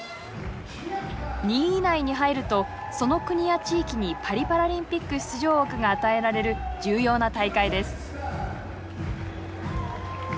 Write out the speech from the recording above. ２位以内に入るとその国や地域にパリパラリンピック出場枠が与えられる重要な大会です。